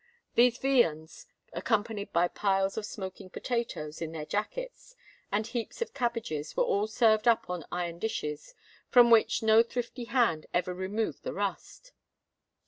These viands, accompanied by piles of smoking potatoes "in their jackets" and heaps of cabbages, were all served up on iron dishes, from which no thrifty hand ever removed the rust.